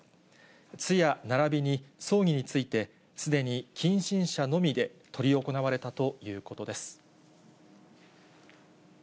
通夜ならびに葬儀について、すでに近親者のみで執り行われたということです。